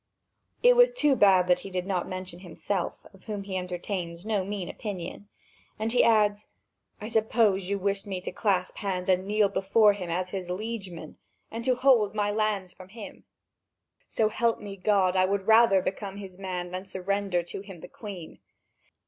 It was too bad that he did not mention himself, of whom he entertains no mean opinion. And he adds: "I suppose you wish me to clasp my hands and kneel before him as his liegeman, and to hold my lands from him? So help me God, I would rather become his man than surrender to him the Queen!